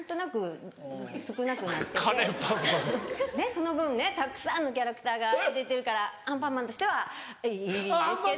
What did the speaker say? その分ねたくさんのキャラクターが出てるから『アンパンマン』としてはいいんですけど。